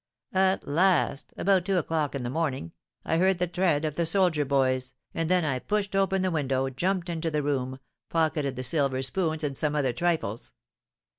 At last, about two o'clock in the morning, I heard the tread of the soldier boys, and then I pushed open the window, jumped into the room, pocketed the silver spoons and some other trifles.